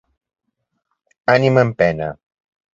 Ànima en pena.